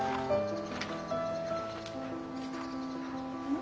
ん？